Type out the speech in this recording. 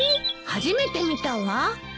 初めて見たわ。